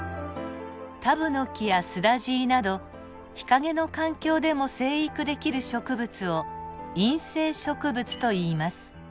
タブノキやスダジイなど日陰の環境でも生育できる植物を陰生植物といいます。